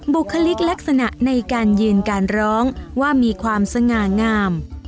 บุคลิกลักษณะในการยืนการร้องว่ามีความสง่างาม